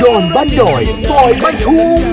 อนบ้านดอยปอยบ้านทุ่ง